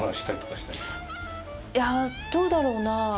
いやどうだろうな？